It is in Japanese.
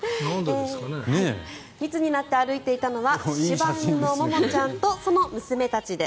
密になって歩いていたのは柴犬のモモちゃんとその娘たちです。